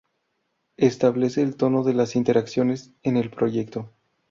establece el tono de la interacciones en el proyecto